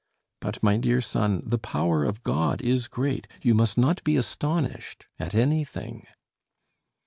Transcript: But, my dear son, the power of God is great. You must not be astonished at anything."